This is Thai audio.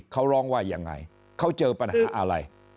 เขาร้องว่ายังไงเขาเจอปัญหาอะไร